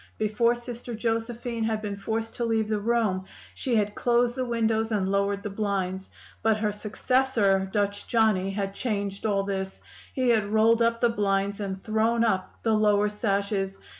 Before Sister Josephine had been forced to leave the room she had closed the windows and lowered the blinds; but her successor, 'Dutch Johnny,' had changed all this; he had rolled up the blinds, and threw up the lower sashes.